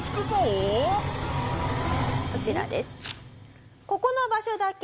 こちらです。